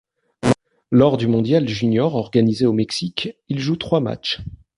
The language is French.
Lors du mondial junior organisée au Mexique, il joue trois matchs.